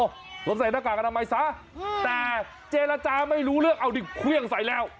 สวมใส่หน้ากากอนามัยซะแต่เจรจาไม่รู้เรื่องเอาดิเครื่องใส่แล้ว